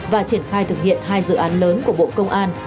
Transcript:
và triển khai thực hiện hai dự án lớn của bộ công an